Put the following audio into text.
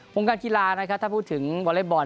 วงการกีฬาถ้าพูดถึงวอเล็กบอล